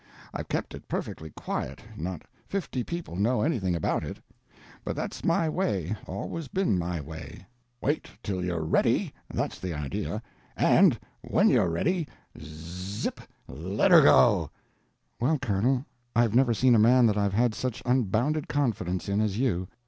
I've kept it perfectly quiet, not fifty people know anything about it. But that's my way, always been my way. Wait till you're ready, that's the idea; and when you're ready, zzip!—let her go!" "Well, Colonel, I've never seen a man that I've had such unbounded confidence in as you.